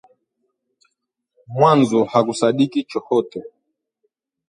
Mwanzo hakusadiki chohote